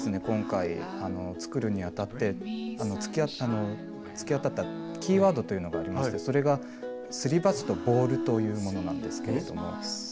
今回作るにあたって突き当たったキーワードというのがありましてそれがすり鉢とボールというものなんですけれども。